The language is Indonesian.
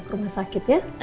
rumah sakit ya